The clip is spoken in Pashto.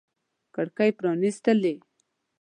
کړکۍ پرانیستلي